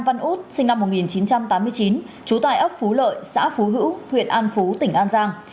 văn út sinh năm một nghìn chín trăm tám mươi chín trú tại ấp phú lợi xã phú hữu huyện an phú tỉnh an giang